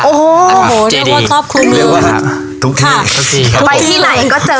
โอ้โหโอ้โหเดี๋ยวก็ชอบคุ้มลือเรียกว่าทุกที่ทุกที่ครับไปที่ไหนก็เจอ